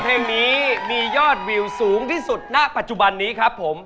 เพลงนี้มียอดวิวสูงที่สุดณปัจจุบันนี้ครับผม